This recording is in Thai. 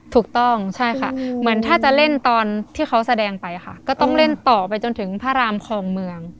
ถูกต้องใช่ค่ะเหมือนถ้าจะเล่นตอนที่เขาแสดงไปค่ะก็ต้องเล่นต่อไปจนถึงพระรามคลองเมือง